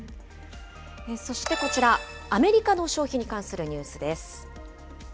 そしてこちら、アメリカの消費に関するニュースです。